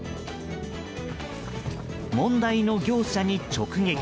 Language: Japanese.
問題の業者に直撃。